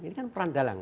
ini kan perandalang